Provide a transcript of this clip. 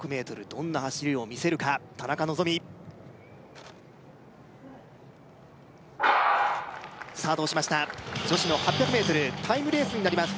どんな走りを見せるか田中希実スタートをしました女子の８００ｍタイムレースになります